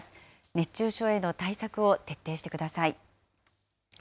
熱中症への対策を徹底してください。